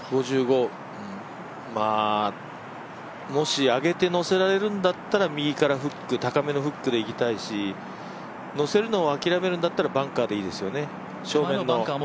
まぁ、もし上げて乗せられるんだったら右から高めのフックでいきたいし、乗せるのを諦めるんだったら、バンカーでいいですよね、正面の。